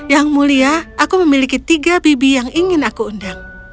yang mulia aku memiliki tiga bibi yang ingin aku undang